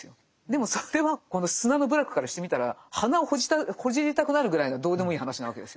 でもそれはこの砂の部落からしてみたら鼻をほじりたくなるぐらいのどうでもいい話なわけですよ。